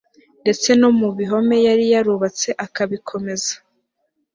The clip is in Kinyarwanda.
ndetse no mu bihome yari yarubatse akabikomeza